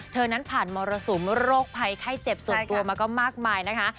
เธอนั้นผ่านมรสุมโรคภัยไข้เจ็บส่วนตัวมาก็มากมายนะคะ